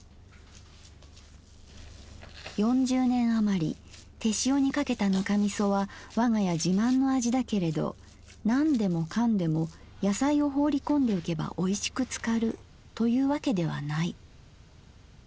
「四十年あまり手塩にかけたぬかみそはわが家自慢の味だけれどなんでもかんでも野菜を放りこんでおけばおいしく漬かるというわけではない。